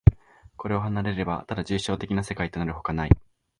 これを離れれば、ただ抽象的世界となるのほかない。